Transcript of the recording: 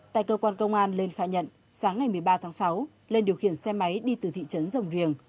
tại cơ quan công an lên khai nhận sáng ngày một mươi ba tháng sáu lên điều khiển xe máy đi từ thị trấn rồng riềng